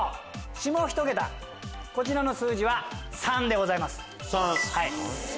下１桁こちらの数字は３でございます。